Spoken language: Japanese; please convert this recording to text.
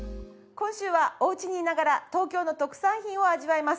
今週はおうちにいながら東京の特産品を味わいます。